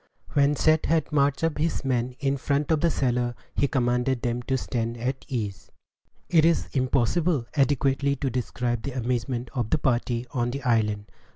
When Seth had marched his men up in front of the cellar, he commanded them to stand at ease. It is impossible adequately to describe the amazement of the party on the island.